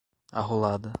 arrolada